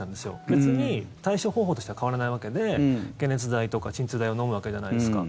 別に対処方法としては変わらないわけで解熱剤とか鎮痛剤を飲むわけじゃないですか。